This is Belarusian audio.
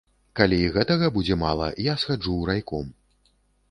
Калі й гэтага мала будзе, я схаджу ў райком.